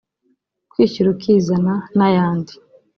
kwishyira ukizana n’ayandi